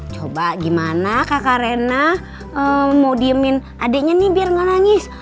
coba gimana kakak rena mau diemin adiknya nih biar nggak nangis